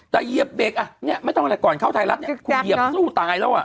แต่เหยียบเบรกไม่ต้องอะไรก่อนเข้าไทยรัฐคุณเหยียบสู้ตายแล้วอ่ะ